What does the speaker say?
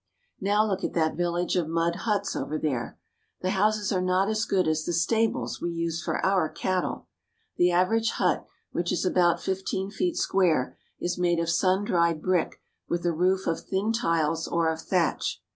Now look at that village of mud huts over there. The houses are not as good as the stables we use for our cattle. The average hut, which is about fifteen feet square, is made of sun dried brick with a roof of thin tiles or of thatch.